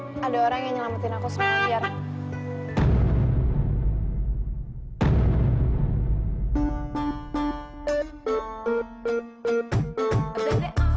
hai ada orang yang ngelamatin aku semuanya